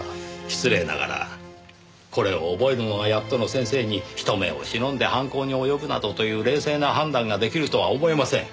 失礼ながらこれを覚えるのがやっとの先生に人目を忍んで犯行に及ぶなどという冷静な判断ができるとは思えません。